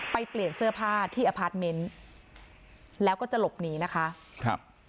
เปลี่ยนเสื้อผ้าที่อพาร์ทเมนต์แล้วก็จะหลบหนีนะคะครับ